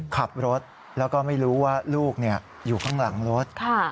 ขับรถแล้วก็ไม่รู้ว่าลูกอยู่ข้างหลังรถ